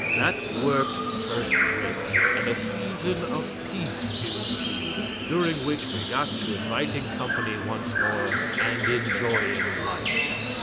That worked first rate, and a season of peace ensued, during which we got to inviting company once more and enjoying life.